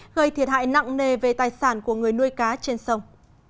gây thiệt hại nặng nề về tài sản của người nuôi cá trên sông